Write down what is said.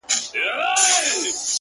هغه مئین خپل هر ناهیلي پل ته رنگ ورکوي ـ